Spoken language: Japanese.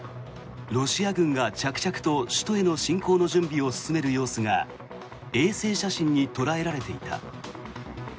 ロシア軍が着々と首都への侵攻の準備を進める様子が衛星写真に捉えられていた。